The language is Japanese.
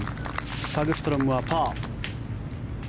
サグストロムはパー。